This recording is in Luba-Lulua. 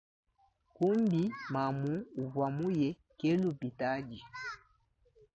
Kumbi mamu uvua muye ke lupitadi.